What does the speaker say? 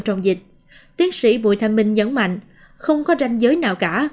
trong dịch tiến sĩ bùi thanh minh nhấn mạnh không có ranh giới nào cả